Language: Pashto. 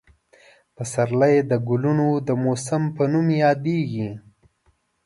پسرلی د ګلونو د موسم په نوم یادېږي.